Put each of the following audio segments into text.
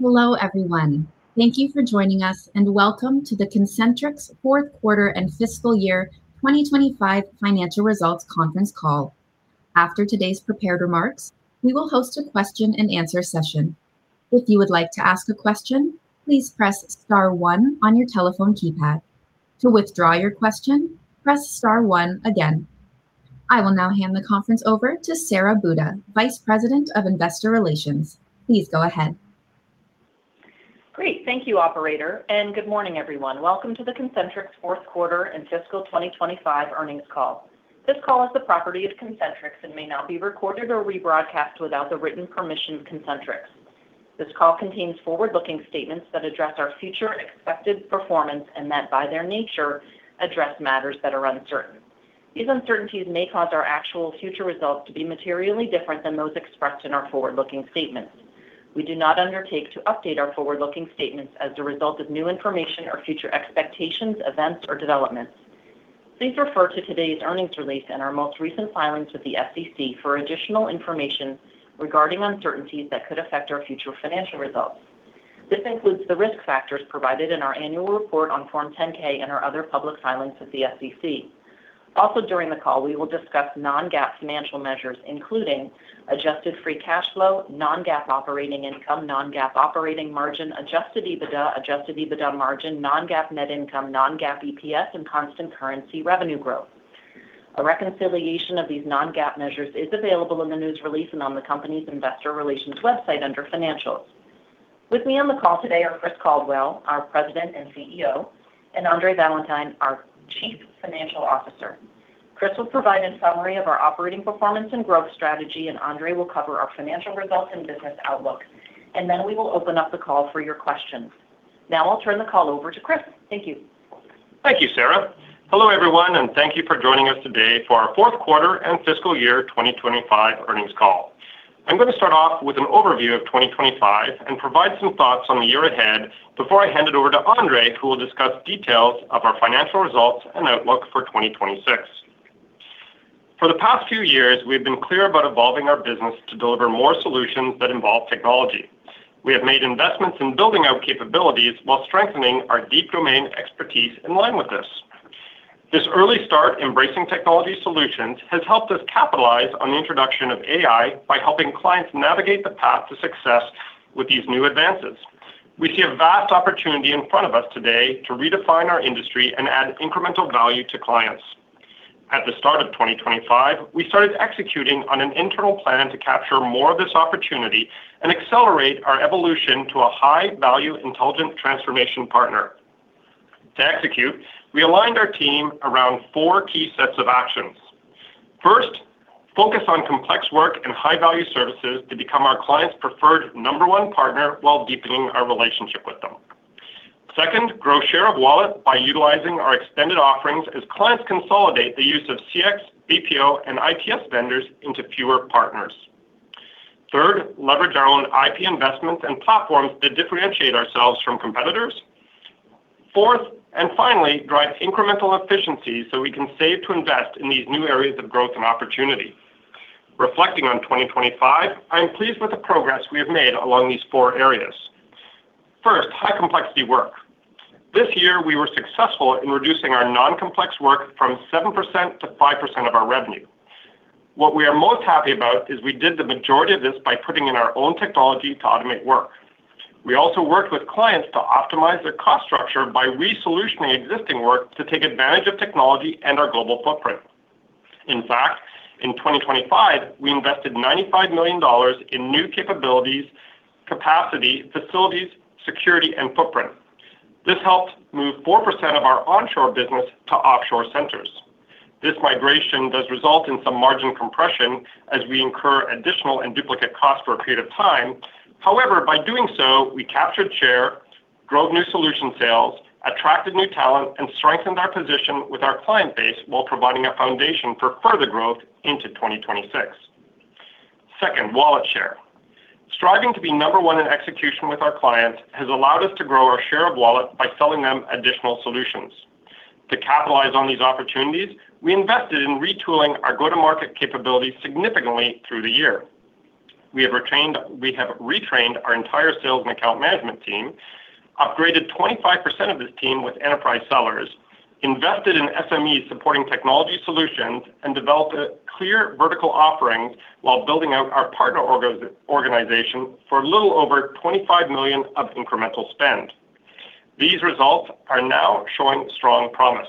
Hello, everyone. Thank you for joining us, and welcome to the Concentrix Fourth Quarter and Fiscal Year 2025 Financial Results Conference Call. After today's prepared remarks, we will host a question-and-answer session. If you would like to ask a question, please press star one on your telephone keypad. To withdraw your question, press star one again. I will now hand the conference over to Sara Buda, Vice President of Investor Relations. Please go ahead. Great. Thank you, Operator. And good morning, everyone. Welcome to the Concentrix Fourth Quarter and Fiscal 2025 Earnings Call. This call is the property of Concentrix and may not be recorded or rebroadcast without the written permission of Concentrix. This call contains forward-looking statements that address our future expected performance and that by their nature address matters that are uncertain. These uncertainties may cause our actual future results to be materially different than those expressed in our forward-looking statements. We do not undertake to update our forward-looking statements as the result of new information or future expectations, events, or developments. Please refer to today's earnings release and our most recent filings with the SEC for additional information regarding uncertainties that could affect our future financial results. This includes the risk factors provided in our annual report on Form 10-K and our other public filings with the SEC. Also, during the call, we will discuss non-GAAP financial measures, including adjusted free cash flow, non-GAAP operating income, non-GAAP operating margin, adjusted EBITDA, adjusted EBITDA margin, non-GAAP net income, non-GAAP EPS, and constant currency revenue growth. A reconciliation of these non-GAAP measures is available in the news release and on the company's investor relations website under Financials. With me on the call today are Chris Caldwell, our President and CEO, and Andre Valentine, our Chief Financial Officer. Chris will provide a summary of our operating performance and growth strategy, and Andre will cover our financial results and business outlook, and then we will open up the call for your questions. Now I'll turn the call over to Chris. Thank you. Thank you, Sara. Hello, everyone, and thank you for joining us today for our Fourth Quarter and Fiscal Year 2025 Earnings Call. I'm going to start off with an overview of 2025 and provide some thoughts on the year ahead before I hand it over to Andre, who will discuss details of our financial results and outlook for 2026. For the past few years, we have been clear about evolving our business to deliver more solutions that involve technology. We have made investments in building out capabilities while strengthening our deep domain expertise in line with this. This early start embracing technology solutions has helped us capitalize on the introduction of AI by helping clients navigate the path to success with these new advances. We see a vast opportunity in front of us today to redefine our industry and add incremental value to clients. At the start of 2025, we started executing on an internal plan to capture more of this opportunity and accelerate our evolution to a high-value intelligent transformation partner. To execute, we aligned our team around four key sets of actions. First, focus on complex work and high-value services to become our clients' preferred number one partner while deepening our relationship with them. Second, grow share of wallet by utilizing our extended offerings as clients consolidate the use of CX, BPO, and IPS vendors into fewer partners. Third, leverage our own IP investments and platforms to differentiate ourselves from competitors. Fourth, and finally, drive incremental efficiencies so we can save to invest in these new areas of growth and opportunity. Reflecting on 2025, I am pleased with the progress we have made along these four areas. First, high-complexity work. This year, we were successful in reducing our non-complex work from 7% to 5% of our revenue. What we are most happy about is we did the majority of this by putting in our own technology to automate work. We also worked with clients to optimize their cost structure by re-solutioning existing work to take advantage of technology and our global footprint. In fact, in 2025, we invested $95 million in new capabilities, capacity, facilities, security, and footprint. This helped move 4% of our onshore business to offshore centers. This migration does result in some margin compression as we incur additional and duplicate costs for a period of time. However, by doing so, we captured share, drove new solution sales, attracted new talent, and strengthened our position with our client base while providing a foundation for further growth into 2026. Second, wallet share. Striving to be number one in execution with our clients has allowed us to grow our share of wallet by selling them additional solutions. To capitalize on these opportunities, we invested in retooling our go-to-market capabilities significantly through the year. We have retrained our entire sales and account management team, upgraded 25% of this team with enterprise sellers, invested in SMEs supporting technology solutions, and developed clear vertical offerings while building out our partner organization for a little over $25 million of incremental spend. These results are now showing strong promise.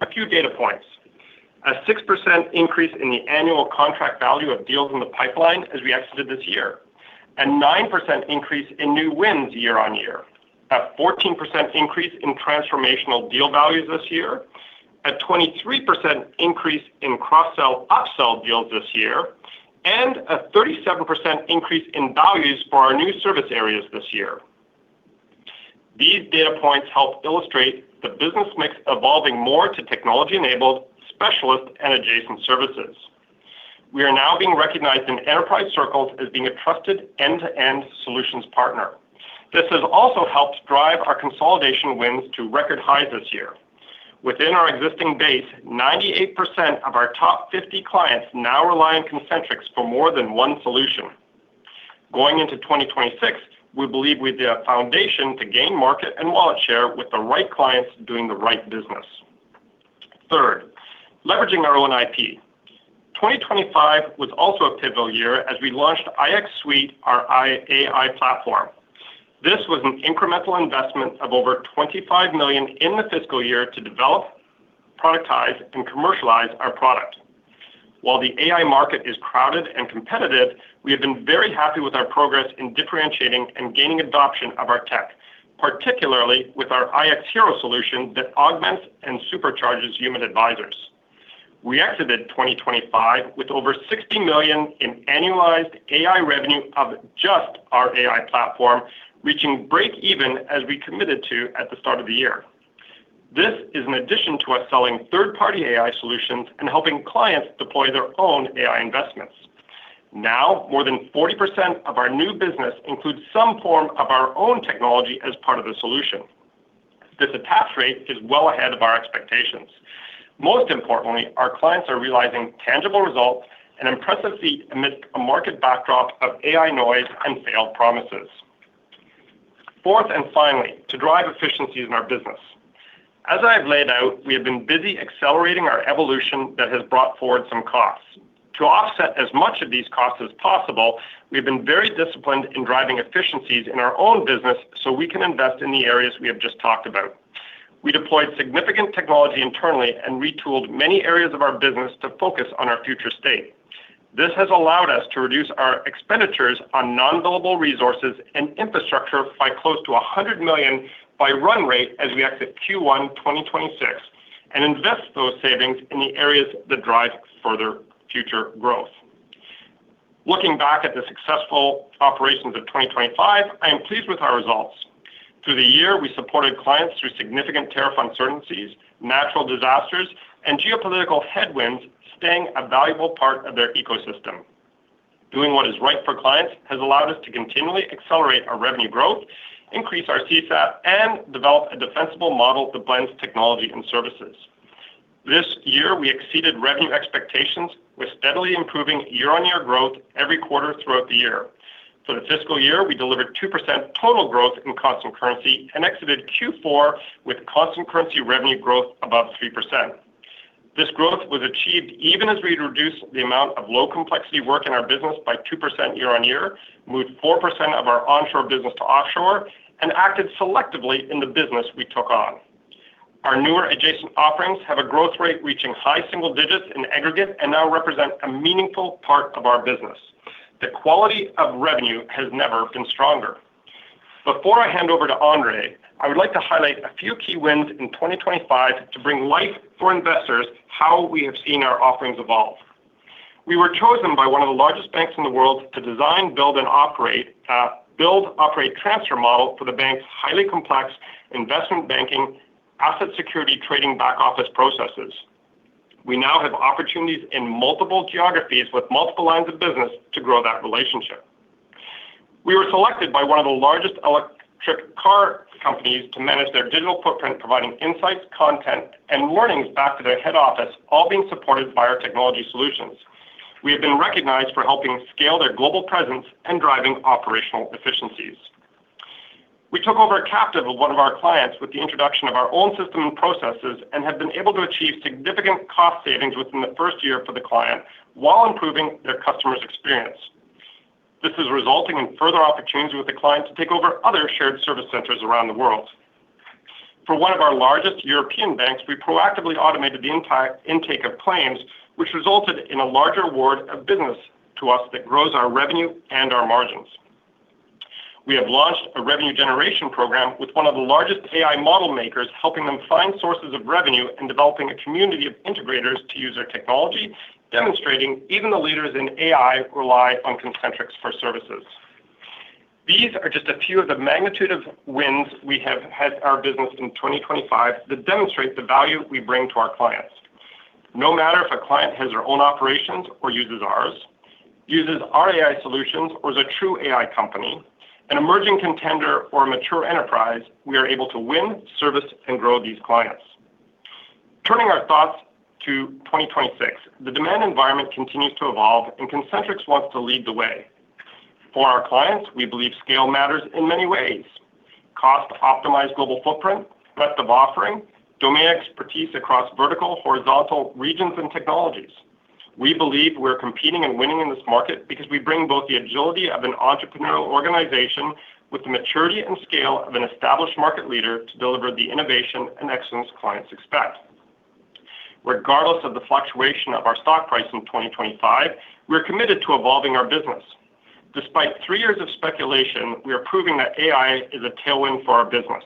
A few data points: a 6% increase in the annual contract value of deals in the pipeline as we exited this year, a 9% increase in new wins year-on-year, a 14% increase in transformational deal values this year, a 23% increase in cross-sell upsell deals this year, and a 37% increase in values for our new service areas this year. These data points help illustrate the business mix evolving more to technology-enabled specialist and adjacent services. We are now being recognized in enterprise circles as being a trusted end-to-end solutions partner. This has also helped drive our consolidation wins to record highs this year. Within our existing base, 98% of our top 50 clients now rely on Concentrix for more than one solution. Going into 2026, we believe we have the foundation to gain market and wallet share with the right clients doing the right business. Third, leveraging our own IP. 2025 was also a pivotal year as we launched iX Suite, our AI platform. This was an incremental investment of over $25 million in the fiscal year to develop, productize, and commercialize our product. While the AI market is crowded and competitive, we have been very happy with our progress in differentiating and gaining adoption of our tech, particularly with our iX Hero solution that augments and supercharges human advisors. We exited 2025 with over $60 million in annualized AI revenue of just our AI platform, reaching break-even as we committed to at the start of the year. This is in addition to us selling third-party AI solutions and helping clients deploy their own AI investments. Now, more than 40% of our new business includes some form of our own technology as part of the solution. This attach rate is well ahead of our expectations. Most importantly, our clients are realizing tangible results and impressive feat amidst a market backdrop of AI noise and failed promises. Fourth and finally, to drive efficiencies in our business. As I have laid out, we have been busy accelerating our evolution that has brought forward some costs. To offset as much of these costs as possible, we have been very disciplined in driving efficiencies in our own business so we can invest in the areas we have just talked about. We deployed significant technology internally and retooled many areas of our business to focus on our future state. This has allowed us to reduce our expenditures on non-billable resources and infrastructure by close to $100 million by run rate as we exit Q1 2026 and invest those savings in the areas that drive further future growth. Looking back at the successful operations of 2025, I am pleased with our results. Through the year, we supported clients through significant tariff uncertainties, natural disasters, and geopolitical headwinds, staying a valuable part of their ecosystem. Doing what is right for clients has allowed us to continually accelerate our revenue growth, increase our CSAT, and develop a defensible model that blends technology and services. This year, we exceeded revenue expectations with steadily improving year-on-year growth every quarter throughout the year. For the fiscal year, we delivered 2% total growth in constant currency and exited Q4 with constant currency revenue growth above 3%. This growth was achieved even as we reduced the amount of low-complexity work in our business by 2% year-on-year, moved 4% of our onshore business to offshore, and acted selectively in the business we took on. Our newer adjacent offerings have a growth rate reaching high single digits in aggregate and now represent a meaningful part of our business. The quality of revenue has never been stronger. Before I hand over to Andre, I would like to highlight a few key wins in 2025 to bring to life for investors how we have seen our offerings evolve. We were chosen by one of the largest banks in the world to design, build, and operate a build-operate-transfer model for the bank's highly complex investment banking asset security trading back office processes. We now have opportunities in multiple geographies with multiple lines of business to grow that relationship. We were selected by one of the largest electric car companies to manage their digital footprint, providing insights, content, and warnings back to their head office, all being supported by our technology solutions. We have been recognized for helping scale their global presence and driving operational efficiencies. We took over a captive of one of our clients with the introduction of our own system and processes and have been able to achieve significant cost savings within the first year for the client while improving their customer's experience. This is resulting in further opportunities with the client to take over other shared service centers around the world. For one of our largest European banks, we proactively automated the intake of claims, which resulted in a larger award of business to us that grows our revenue and our margins. We have launched a revenue generation program with one of the largest AI model makers, helping them find sources of revenue and developing a community of integrators to use our technology, demonstrating even the leaders in AI rely on Concentrix for services. These are just a few of the magnitude of wins we have had our business in 2025 that demonstrate the value we bring to our clients. No matter if a client has their own operations or uses ours, uses our AI solutions, or is a true AI company, an emerging contender, or a mature enterprise, we are able to win, service, and grow these clients. Turning our thoughts to 2026, the demand environment continues to evolve, and Concentrix wants to lead the way. For our clients, we believe scale matters in many ways: cost-optimized global footprint, breadth of offering, domain expertise across vertical, horizontal regions, and technologies. We believe we're competing and winning in this market because we bring both the agility of an entrepreneurial organization with the maturity and scale of an established market leader to deliver the innovation and excellence clients expect. Regardless of the fluctuation of our stock price in 2025, we are committed to evolving our business. Despite three years of speculation, we are proving that AI is a tailwind for our business.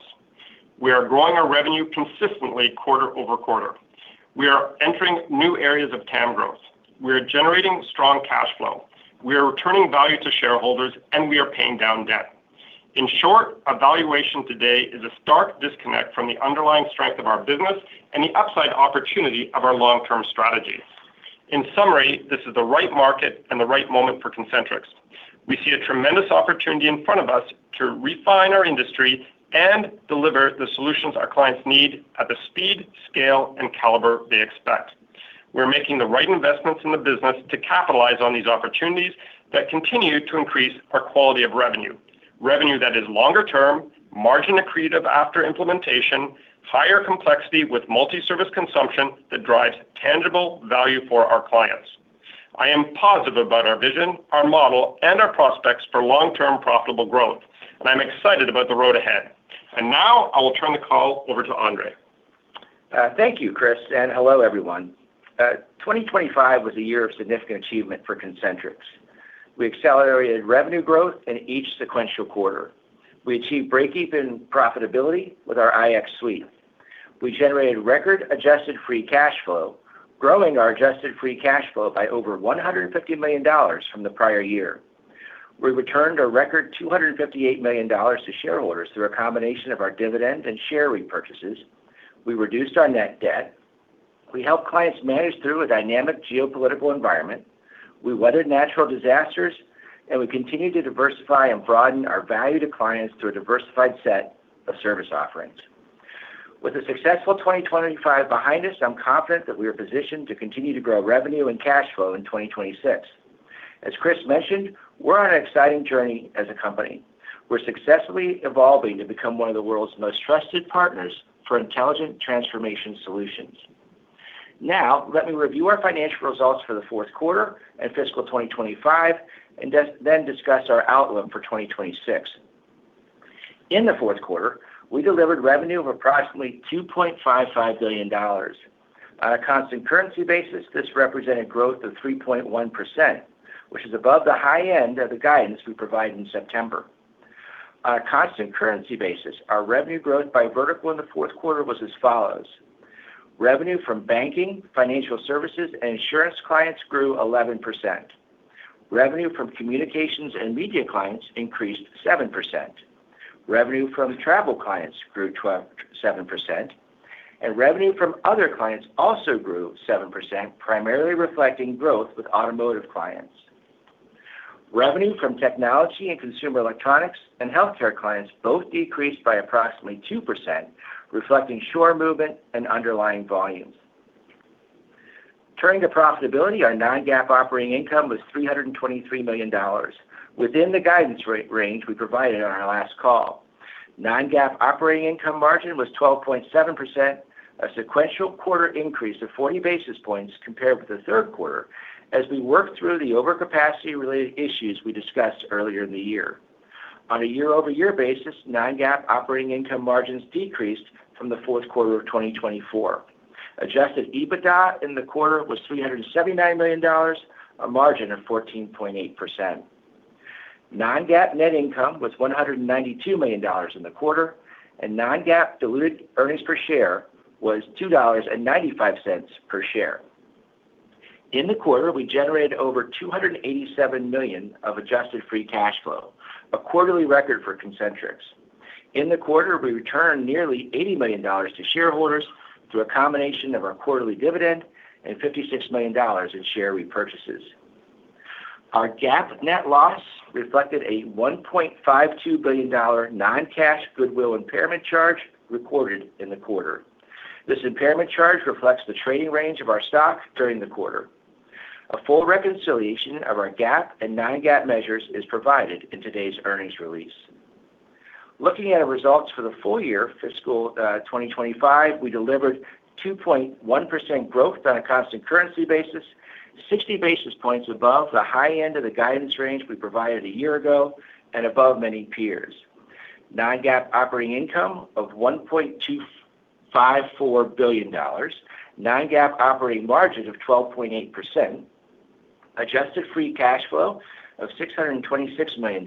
We are growing our revenue consistently quarter over quarter. We are entering new areas of TAM growth. We are generating strong cash flow. We are returning value to shareholders, and we are paying down debt. In short, a valuation today is a stark disconnect from the underlying strength of our business and the upside opportunity of our long-term strategy. In summary, this is the right market and the right moment for Concentrix. We see a tremendous opportunity in front of us to refine our industry and deliver the solutions our clients need at the speed, scale, and caliber they expect. We're making the right investments in the business to capitalize on these opportunities that continue to increase our quality of revenue, revenue that is longer term, margin accretive after implementation, higher complexity with multi-service consumption that drives tangible value for our clients. I am positive about our vision, our model, and our prospects for long-term profitable growth, and I'm excited about the road ahead. And now I will turn the call over to Andre. Thank you, Chris, and hello, everyone. 2025 was a year of significant achievement for Concentrix. We accelerated revenue growth in each sequential quarter. We achieved break-even profitability with our iX Suite. We generated record-adjusted free cash flow, growing our adjusted free cash flow by over $150 million from the prior year. We returned a record $258 million to shareholders through a combination of our dividend and share repurchases. We reduced our net debt. We helped clients manage through a dynamic geopolitical environment. We weathered natural disasters, and we continue to diversify and broaden our value to clients through a diversified set of service offerings. With a successful 2025 behind us, I'm confident that we are positioned to continue to grow revenue and cash flow in 2026. As Chris mentioned, we're on an exciting journey as a company. We're successfully evolving to become one of the world's most trusted partners for intelligent transformation solutions. Now, let me review our financial results for the fourth quarter and fiscal 2025, and then discuss our outlook for 2026. In the fourth quarter, we delivered revenue of approximately $2.55 billion. On a constant currency basis, this represented growth of 3.1%, which is above the high end of the guidance we provided in September. On a constant currency basis, our revenue growth by vertical in the fourth quarter was as follows: revenue from banking, financial services, and insurance clients grew 11%. Revenue from communications and media clients increased 7%. Revenue from travel clients grew 7%, and revenue from other clients also grew 7%, primarily reflecting growth with automotive clients. Revenue from technology and consumer electronics and healthcare clients both decreased by approximately 2%, reflecting offshore movement and underlying volumes. Turning to profitability, our non-GAAP operating income was $323 million, within the guidance range we provided on our last call. Non-GAAP operating income margin was 12.7%, a sequential quarter increase of 40 basis points compared with the third quarter as we worked through the overcapacity-related issues we discussed earlier in the year. On a year-over-year basis, non-GAAP operating income margins decreased from the fourth quarter of 2024. Adjusted EBITDA in the quarter was $379 million, a margin of 14.8%. Non-GAAP net income was $192 million in the quarter, and non-GAAP diluted earnings per share was $2.95 per share. In the quarter, we generated over $287 million of adjusted free cash flow, a quarterly record for Concentrix. In the quarter, we returned nearly $80 million to shareholders through a combination of our quarterly dividend and $56 million in share repurchases. Our GAAP net loss reflected a $1.52 billion non-cash goodwill impairment charge recorded in the quarter. This impairment charge reflects the trading range of our stock during the quarter. A full reconciliation of our GAAP and non-GAAP measures is provided in today's earnings release. Looking at our results for the full year fiscal 2025, we delivered 2.1% growth on a constant currency basis, 60 basis points above the high end of the guidance range we provided a year ago and above many peers. non-GAAP operating income of $1.254 billion, non-GAAP operating margin of 12.8%, adjusted free cash flow of $626 million,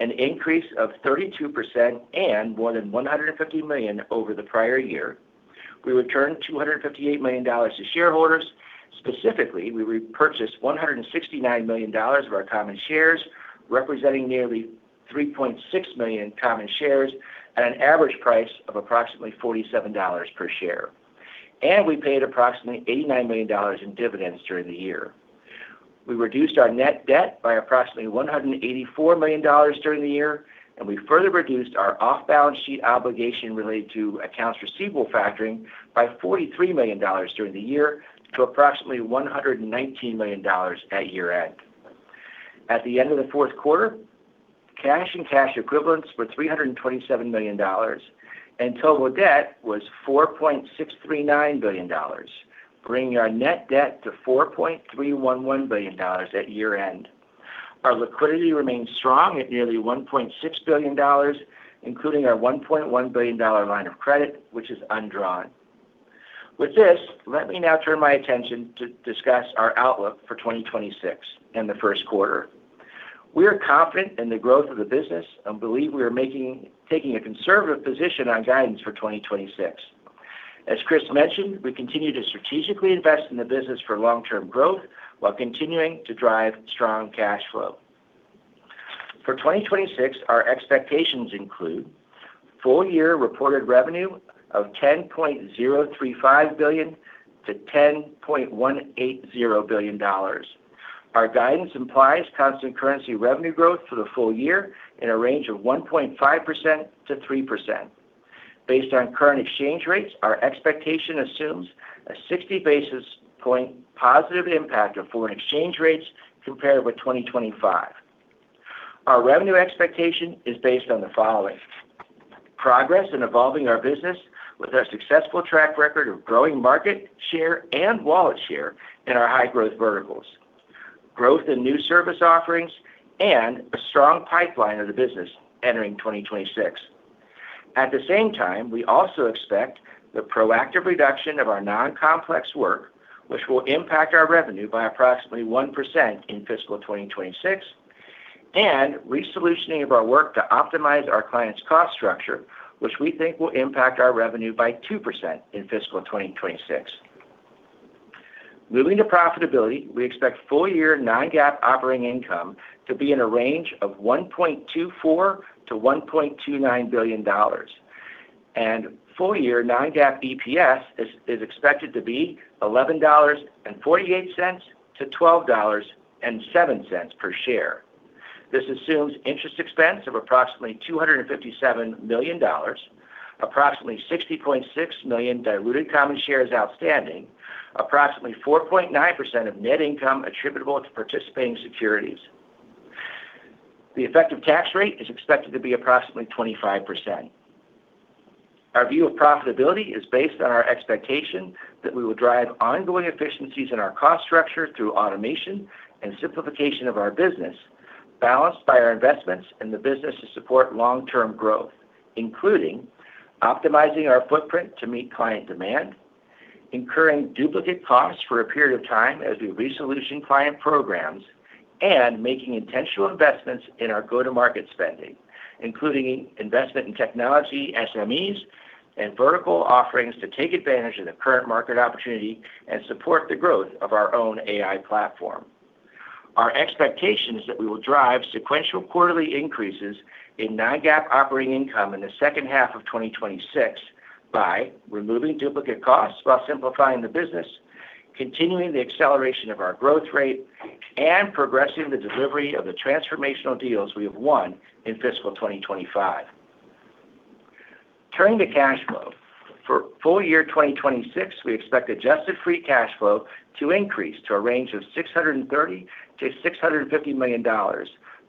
an increase of 32% and more than $150 million over the prior year. We returned $258 million to shareholders. Specifically, we repurchased $169 million of our common shares, representing nearly 3.6 million common shares at an average price of approximately $47 per share. And we paid approximately $89 million in dividends during the year. We reduced our net debt by approximately $184 million during the year, and we further reduced our off-balance sheet obligation related to accounts receivable factoring by $43 million during the year to approximately $119 million at year-end. At the end of the fourth quarter, cash and cash equivalents were $327 million, and total debt was $4.639 billion, bringing our net debt to $4.311 billion at year-end. Our liquidity remained strong at nearly $1.6 billion, including our $1.1 billion line of credit, which is undrawn. With this, let me now turn my attention to discuss our outlook for 2026 and the first quarter. We are confident in the growth of the business and believe we are taking a conservative position on guidance for 2026. As Chris mentioned, we continue to strategically invest in the business for long-term growth while continuing to drive strong cash flow. For 2026, our expectations include full-year reported revenue of $10.035 billion-$10.180 billion. Our guidance implies constant currency revenue growth for the full year in a range of 1.5%-3%. Based on current exchange rates, our expectation assumes a 60 basis point positive impact of foreign exchange rates compared with 2025. Our revenue expectation is based on the following: progress in evolving our business with our successful track record of growing market share and wallet share in our high-growth verticals, growth in new service offerings, and a strong pipeline of the business entering 2026. At the same time, we also expect the proactive reduction of our non-complex work, which will impact our revenue by approximately 1% in fiscal 2026, and repositioning of our work to optimize our clients' cost structure, which we think will impact our revenue by 2% in fiscal 2026. Moving to profitability, we expect full-year non-GAAP operating income to be in a range of $1.24 billion-$1.29 billion, and full-year non-GAAP EPS is expected to be $11.48-$12.07 per share. This assumes interest expense of approximately $257 million, approximately 60.6 million diluted common shares outstanding, approximately 4.9% of net income attributable to participating securities. The effective tax rate is expected to be approximately 25%. Our view of profitability is based on our expectation that we will drive ongoing efficiencies in our cost structure through automation and simplification of our business, balanced by our investments in the business to support long-term growth, including optimizing our footprint to meet client demand, incurring duplicate costs for a period of time as we resolve client programs, and making intentional investments in our go-to-market spending, including investment in technology SMEs and vertical offerings to take advantage of the current market opportunity and support the growth of our own AI platform. Our expectation is that we will drive sequential quarterly increases in non-GAAP operating income in the second half of 2026 by removing duplicate costs while simplifying the business, continuing the acceleration of our growth rate, and progressing the delivery of the transformational deals we have won in fiscal 2025. Turning to cash flow, for full-year 2026, we expect adjusted free cash flow to increase to a range of $630 million-$650 million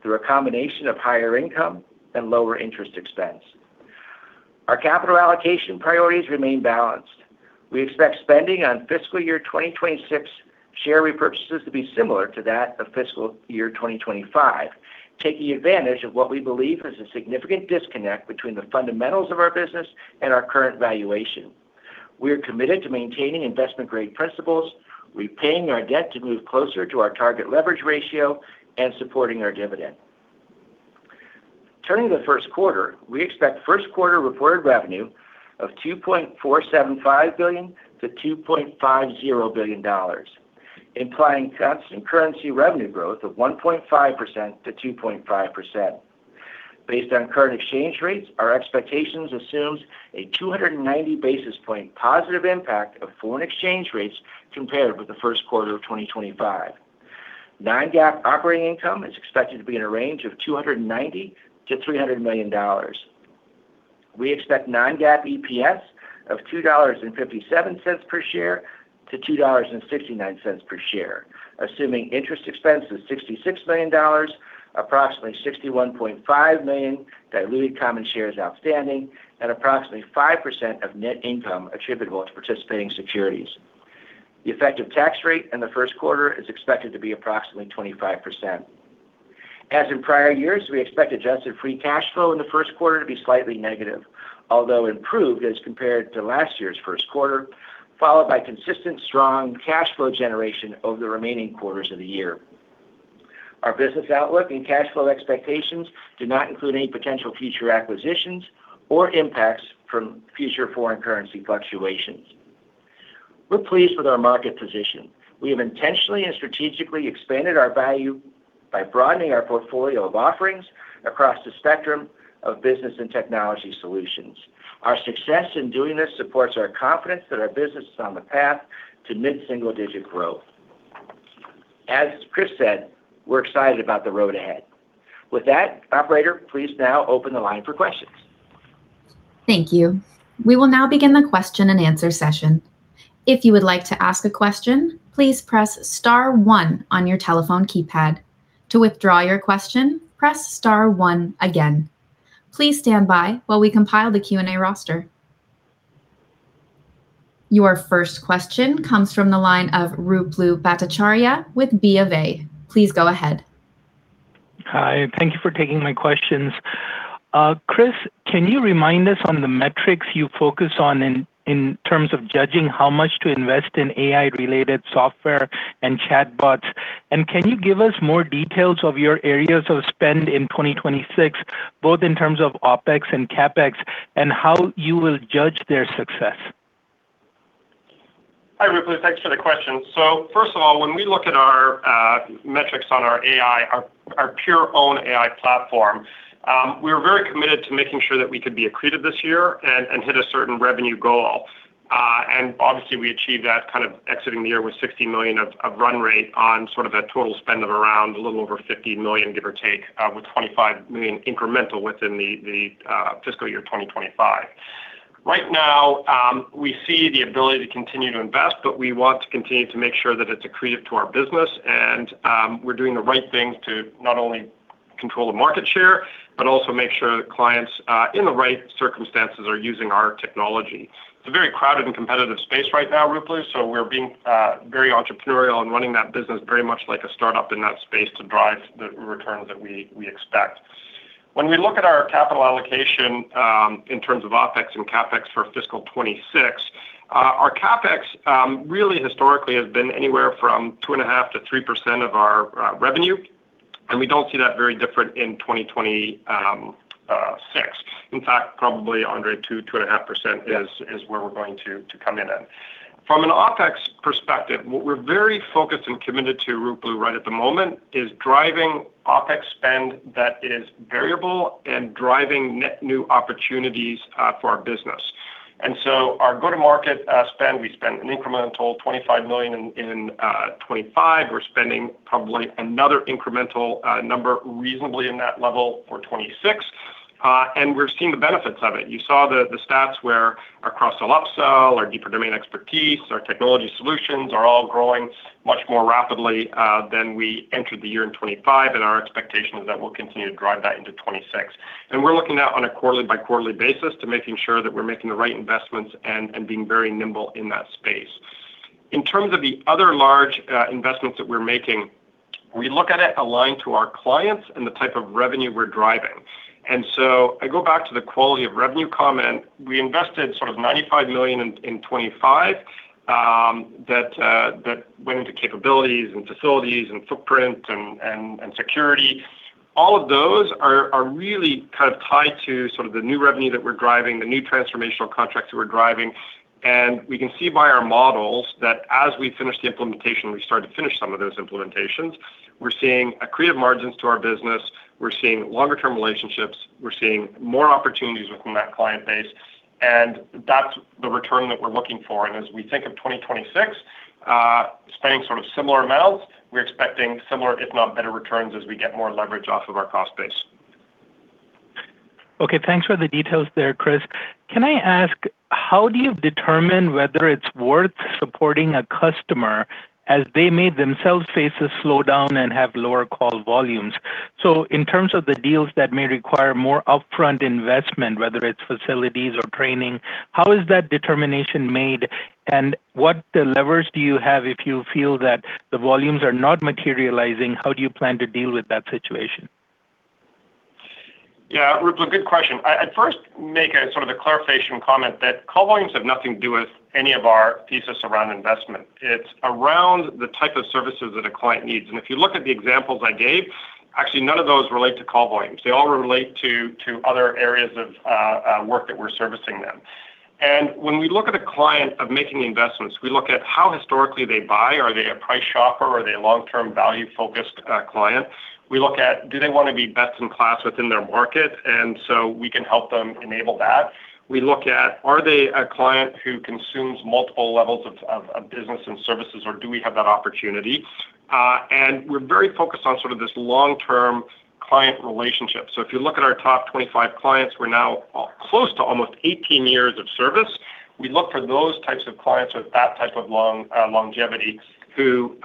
through a combination of higher income and lower interest expense. Our capital allocation priorities remain balanced. We expect spending on fiscal year 2026 share repurchases to be similar to that of fiscal year 2025, taking advantage of what we believe is a significant disconnect between the fundamentals of our business and our current valuation. We are committed to maintaining investment-grade principles, repaying our debt to move closer to our target leverage ratio, and supporting our dividend. Turning to the first quarter, we expect first quarter reported revenue of $2.475 billion-$2.50 billion, implying constant currency revenue growth of 1.5%-2.5%. Based on current exchange rates, our expectations assume a 290 basis points positive impact of foreign exchange rates compared with the first quarter of 2025. Non-GAAP operating income is expected to be in a range of $290-$300 million. We expect non-GAAP EPS of $2.57-$2.69 per share, assuming interest expense is $66 million, approximately 61.5 million diluted common shares outstanding, and approximately 5% of net income attributable to participating securities. The effective tax rate in the first quarter is expected to be approximately 25%. As in prior years, we expect adjusted free cash flow in the first quarter to be slightly negative, although improved as compared to last year's first quarter, followed by consistent strong cash flow generation over the remaining quarters of the year. Our business outlook and cash flow expectations do not include any potential future acquisitions or impacts from future foreign currency fluctuations. We're pleased with our market position. We have intentionally and strategically expanded our value by broadening our portfolio of offerings across the spectrum of business and technology solutions. Our success in doing this supports our confidence that our business is on the path to mid-single-digit growth. As Chris said, we're excited about the road ahead. With that, Operator, please now open the line for questions. Thank you. We will now begin the question and answer session. If you would like to ask a question, please press star one on your telephone keypad. To withdraw your question, press Star 1 again. Please stand by while we compile the Q&A roster. Your first question comes from the line of Ruplu Bhattacharya with B of A. Please go ahead. Hi. Thank you for taking my questions. Chris, can you remind us on the metrics you focus on in terms of judging how much to invest in AI-related software and chatbots? And can you give us more details of your areas of spend in 2026, both in terms of OPEX and CAPEX, and how you will judge their success? Hi, Ruplu. Thanks for the question. First of all, when we look at our metrics on our AI, our pure-owned AI platform, we were very committed to making sure that we could be accretive this year and hit a certain revenue goal. And obviously, we achieved that kind of exiting the year with $60 million of run rate on sort of a total spend of around a little over $50 million, give or take, with $25 million incremental within the fiscal year 2025. Right now, we see the ability to continue to invest, but we want to continue to make sure that it's accretive to our business. We're doing the right things to not only control the market share, but also make sure that clients in the right circumstances are using our technology. It's a very crowded and competitive space right now, Ruplu, so we're being very entrepreneurial and running that business very much like a startup in that space to drive the returns that we expect. When we look at our capital allocation in terms of OPEX and CAPEX for fiscal 2026, our CAPEX really historically has been anywhere from 2.5%-3% of our revenue, and we don't see that very different in 2026. In fact, probably, Andre, to 2.5% is where we're going to come in. From an OPEX perspective, what we're very focused and committed to, Ruplu, right at the moment is driving OPEX spend that is variable and driving net new opportunities for our business. And so our go-to-market spend, we spent an incremental $25 million in 2025. We're spending probably another incremental number reasonably in that level for 2026, and we're seeing the benefits of it. You saw the stats where our cross-sell upsell, our deeper domain expertise, our technology solutions are all growing much more rapidly than we entered the year in 2025, and our expectation is that we'll continue to drive that into 2026. And we're looking at on a quarterly-by-quarterly basis to making sure that we're making the right investments and being very nimble in that space. In terms of the other large investments that we're making, we look at it aligned to our clients and the type of revenue we're driving. And so I go back to the quality of revenue comment. We invested sort of $95 million in 2025 that went into capabilities and facilities and footprint and security. All of those are really kind of tied to sort of the new revenue that we're driving, the new transformational contracts that we're driving. And we can see by our models that as we finish the implementation, we start to finish some of those implementations, we're seeing accretive margins to our business, we're seeing longer-term relationships, we're seeing more opportunities within that client base, and that's the return that we're looking for. And as we think of 2026, spending sort of similar amounts, we're expecting similar, if not better returns as we get more leverage off of our cost base. Okay. Thanks for the details there, Chris. Can I ask, how do you determine whether it's worth supporting a customer as they may themselves face a slowdown and have lower call volumes? So in terms of the deals that may require more upfront investment, whether it's facilities or training, how is that determination made? And what levers do you have if you feel that the volumes are not materializing? How do you plan to deal with that situation? Yeah, Ruplu, good question. I'd first make sort of a clarification comment that call volumes have nothing to do with any of our thesis around investment. It's around the type of services that a client needs. And if you look at the examples I gave, actually none of those relate to call volumes. They all relate to other areas of work that we're servicing them. And when we look at a client of making investments, we look at how historically they buy. Are they a price shopper? Are they a long-term value-focused client? We look at do they want to be best in class within their market, and so we can help them enable that. We look at are they a client who consumes multiple levels of business and services, or do we have that opportunity? We're very focused on sort of this long-term client relationship. If you look at our top 25 clients, we're now close to almost 18 years of service. We look for those types of clients with that type of longevity who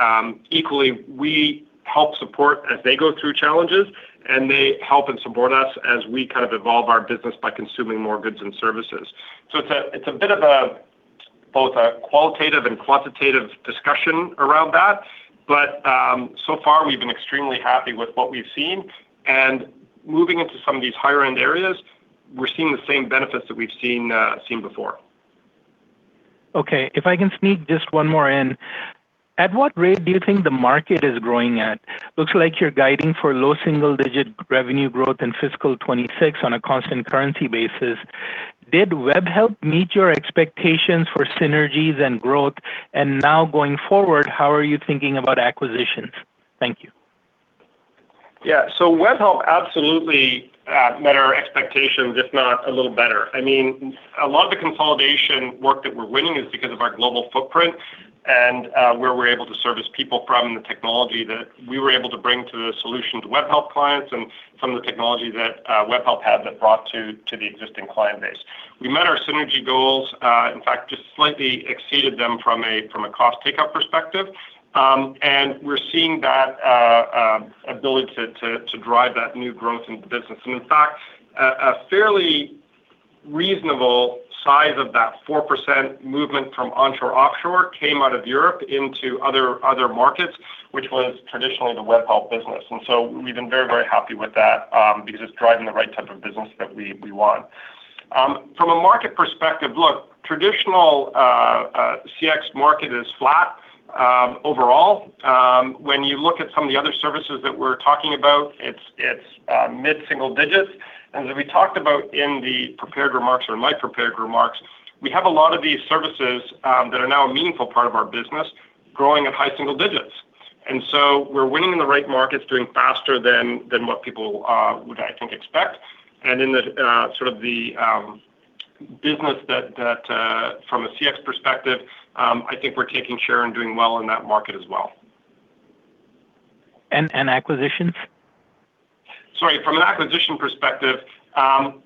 equally we help support as they go through challenges, and they help and support us as we kind of evolve our business by consuming more goods and services. It's a bit of both a qualitative and quantitative discussion around that, but so far we've been extremely happy with what we've seen. Moving into some of these higher-end areas, we're seeing the same benefits that we've seen before. Okay. If I can sneak just one more in, at what rate do you think the market is growing at? Looks like you're guiding for low single-digit revenue growth in fiscal 2026 on a constant currency basis. Did Webhelp meet your expectations for synergies and growth? And now going forward, how are you thinking about acquisitions? Thank you. Yeah, so Webhelp absolutely met our expectations, if not a little better. I mean, a lot of the consolidation work that we're winning is because of our global footprint and where we're able to service people from and the technology that we were able to bring to the solution to Webhelp clients and some of the technology that Webhelp had that brought to the existing client base. We met our synergy goals, in fact, just slightly exceeded them from a cost takeout perspective, and we're seeing that ability to drive that new growth in the business, and in fact, a fairly reasonable size of that 4% movement from onshore-offshore came out of Europe into other markets, which was traditionally the Webhelp business. And so we've been very, very happy with that because it's driving the right type of business that we want. From a market perspective, look, traditional CX market is flat overall. When you look at some of the other services that we're talking about, it's mid-single digits. And as we talked about in the prepared remarks or my prepared remarks, we have a lot of these services that are now a meaningful part of our business growing at high single digits. And so we're winning in the right markets, doing faster than what people would, I think, expect. And in sort of the business that from a CX perspective, I think we're taking share and doing well in that market as well. And acquisitions? Sorry. From an acquisition perspective,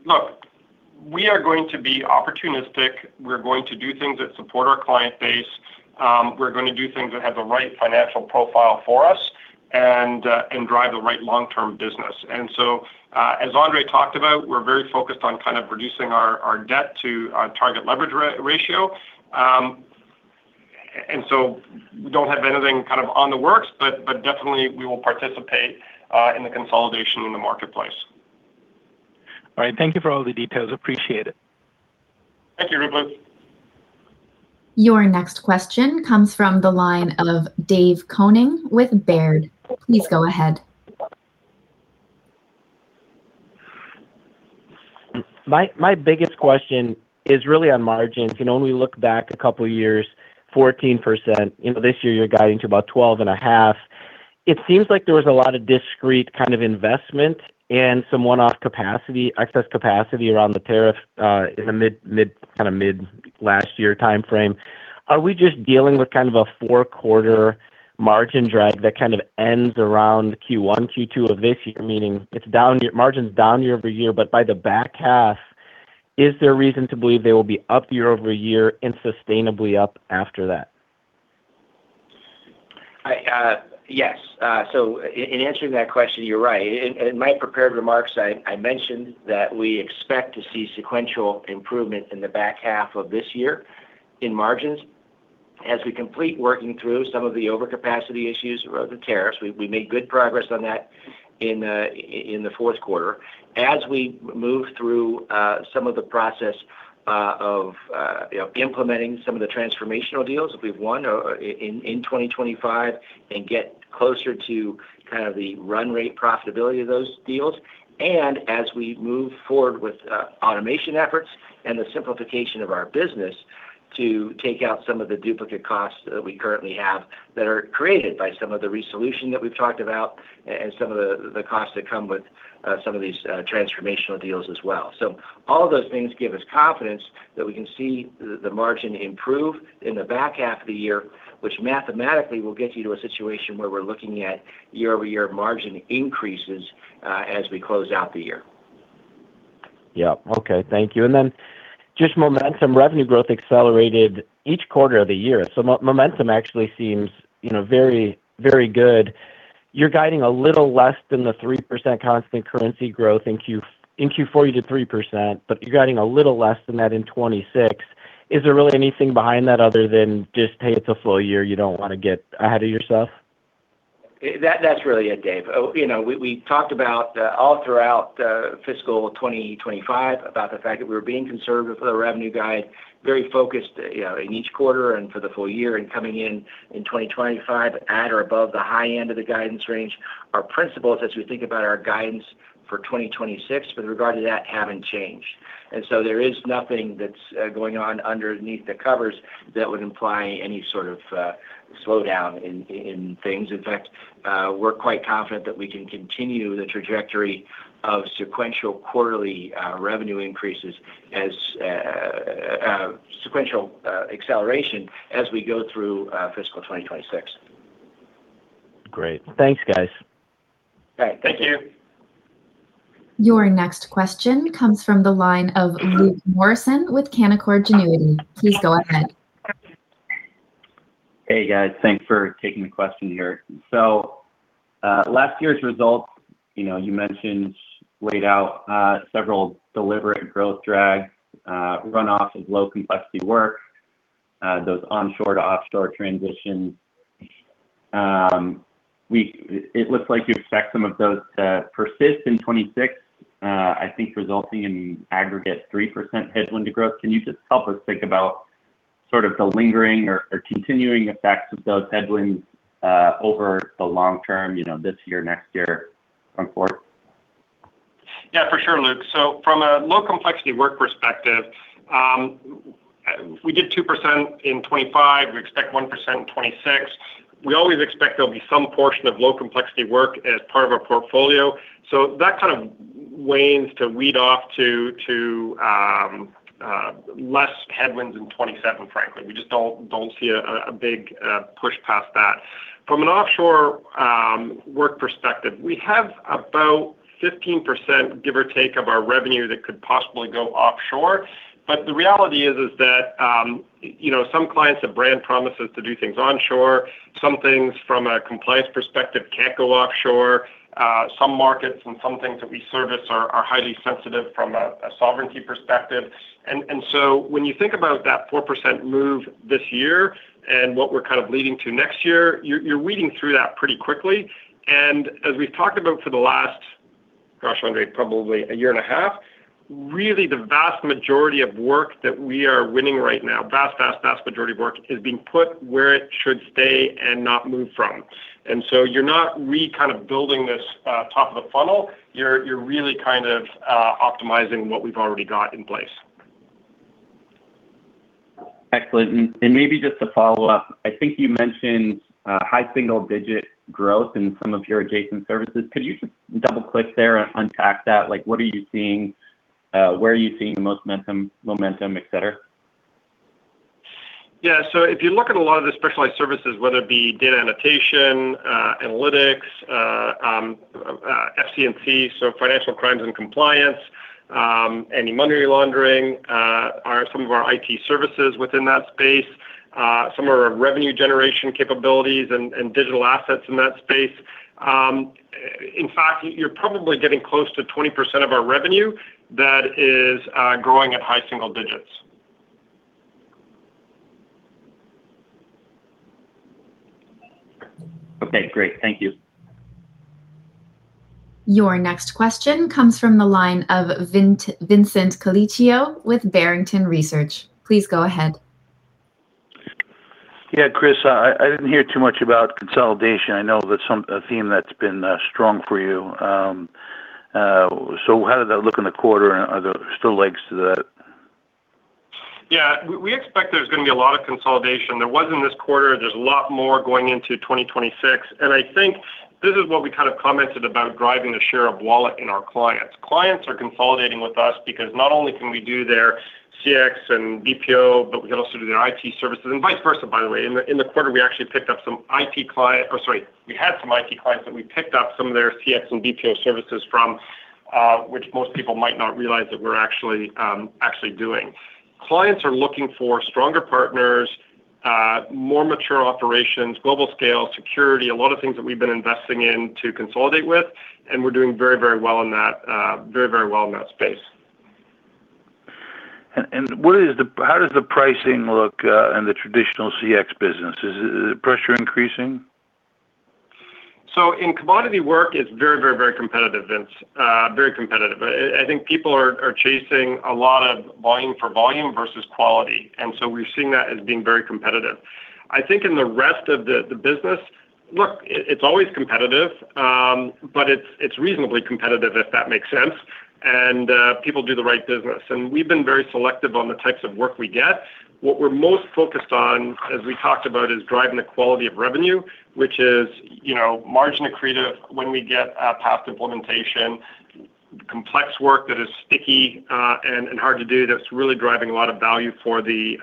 look, we are going to be opportunistic. We're going to do things that support our client base. We're going to do things that have the right financial profile for us and drive the right long-term business. And so as Andre talked about, we're very focused on kind of reducing our debt to target leverage ratio. And so we don't have anything kind of in the works, but definitely we will participate in the consolidation in the marketplace. All right. Thank you for all the details. Appreciate it. Thank you, Ruplu. Your next question comes from the line of Dave Koning with Baird. Please go ahead. My biggest question is really on margins. When we look back a couple of years, 14%, this year you're guiding to about 12.5%. It seems like there was a lot of discrete kind of investment and some one-off excess capacity around the tariff in the kind of mid-last year timeframe. Are we just dealing with kind of a four quarter margin drag that kind of ends around Q1, Q2 of this year, meaning it's down your margins down year-over-year, but by the back half, is there a reason to believe they will be up year over year and sustainably up after that? Yes, so in answering that question, you're right. In my prepared remarks, I mentioned that we expect to see sequential improvement in the back half of this year in margins. As we complete working through some of the overcapacity issues or the tariffs, we made good progress on that in the fourth quarter. As we move through some of the process of implementing some of the transformational deals that we've won in 2025 and get closer to kind of the run rate profitability of those deals, and as we move forward with automation efforts and the simplification of our business to take out some of the duplicate costs that we currently have that are created by some of the resolution that we've talked about and some of the costs that come with some of these transformational deals as well. So all of those things give us confidence that we can see the margin improve in the back half of the year, which mathematically will get you to a situation where we're looking at year-over-year margin increases as we close out the year. Yeah. Okay. Thank you. And then just momentum, revenue growth accelerated each quarter of the year. So momentum actually seems very, very good. You're guiding a little less than the 3% constant currency growth in Q4, you did 3%, but you're guiding a little less than that in 2026. Is there really anything behind that other than just, hey, it's a full year, you don't want to get ahead of yourself? That's really it, Dave. We talked about all throughout fiscal 2025 about the fact that we were being conservative with the revenue guide, very focused in each quarter and for the full year and coming in in 2025 at or above the high end of the guidance range. Our principles, as we think about our guidance for 2026, with regard to that, haven't changed. And so there is nothing that's going on underneath the covers that would imply any sort of slowdown in things. In fact, we're quite confident that we can continue the trajectory of sequential quarterly revenue increases, sequential acceleration as we go through fiscal 2026. Great. Thanks, guys. All right. Thank you. Your next question comes from the line of Luke Morrison with Canaccord Genuity. Please go ahead. Hey, guys. Thanks for taking the question here. So last year's results, you mentioned, laid out several deliberate growth drags, runoff of low-complexity work, those onshore-to-offshore transitions. It looks like you expect some of those to persist in 2026, I think resulting in aggregate 3% headwind to growth. Can you just help us think about sort of the lingering or continuing effects of those headwinds over the long term, this year, next year, going forward? Yeah, for sure, Luke. So from a low-complexity work perspective, we did 2% in 2025. We expect 1% in 2026. We always expect there'll be some portion of low-complexity work as part of our portfolio. So that kind of wanes to weed off to less headwinds in 2027, frankly. We just don't see a big push past that. From an offshore work perspective, we have about 15%, give or take, of our revenue that could possibly go offshore. But the reality is that some clients have brand promises to do things onshore. Some things, from a compliance perspective, can't go offshore. Some markets and some things that we service are highly sensitive from a sovereignty perspective. And so when you think about that 4% move this year and what we're kind of leading to next year, you're weeding through that pretty quickly. As we've talked about for the last, gosh, Andre, probably a year and a half, really the vast majority of work that we are winning right now, vast, vast, vast majority of work, is being put where it should stay and not move from. So you're not re-kind of building this top of the funnel. You're really kind of optimizing what we've already got in place. Excellent. Maybe just to follow up, I think you mentioned high single-digit growth in some of your adjacent services. Could you just double-click there and unpack that? What are you seeing? Where are you seeing the most momentum, etc.? Yeah. So if you look at a lot of the specialized services, whether it be data annotation, analytics, FC&C, so financial crimes and compliance, any money laundering, some of our IT services within that space, some of our revenue generation capabilities and digital assets in that space, in fact, you're probably getting close to 20% of our revenue that is growing at high single digits. Okay. Great. Thank you. Your next question comes from the line of Vincent Colicchio with Barrington Research. Please go ahead. Yeah, Chris, I didn't hear too much about consolidation. I know that's a theme that's been strong for you. So how did that look in the quarter? Are there still legs to that? Yeah. We expect there's going to be a lot of consolidation. There wasn't this quarter. There's a lot more going into 2026. I think this is what we kind of commented about driving the share of wallet in our clients. Clients are consolidating with us because not only can we do their CX and BPO, but we can also do their IT services and vice versa, by the way. In the quarter, we actually picked up some IT clients or sorry, we had some IT clients, but we picked up some of their CX and BPO services from which most people might not realize that we're actually doing. Clients are looking for stronger partners, more mature operations, global scale, security, a lot of things that we've been investing in to consolidate with, and we're doing very, very well in that, very, very well in that space. How does the pricing look in the traditional CX business? Is the pressure increasing? In commodity work, it's very, very, very competitive, Vince. Very competitive. I think people are chasing a lot of volume for volume versus quality. And so we're seeing that as being very competitive. I think in the rest of the business, look, it's always competitive, but it's reasonably competitive if that makes sense, and people do the right business. And we've been very selective on the types of work we get. What we're most focused on, as we talked about, is driving the quality of revenue, which is margin accretive when we get past implementation, complex work that is sticky and hard to do that's really driving a lot of value for the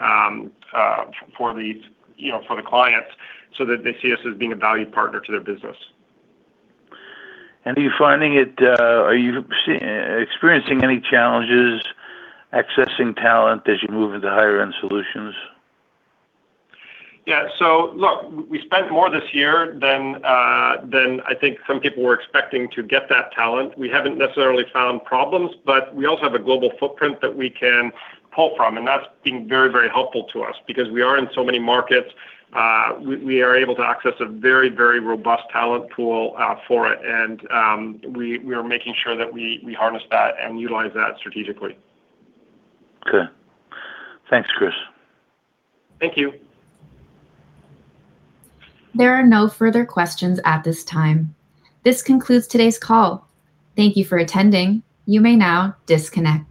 clients so that they see us as being a value partner to their business. And are you experiencing any challenges accessing talent as you move into higher-end solutions? Yeah. So look, we spent more this year than I think some people were expecting to get that talent. We haven't necessarily found problems, but we also have a global footprint that we can pull from, and that's been very, very helpful to us because we are in so many markets. We are able to access a very, very robust talent pool for it, and we are making sure that we harness that and utilize that strategically. Okay. Thanks, Chris. Thank you. There are no further questions at this time. This concludes today's call. Thank you for attending. You may now disconnect.